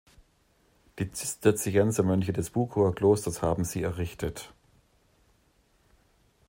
Die Zisterziensermönche des Buckower Klosters haben sie errichtet.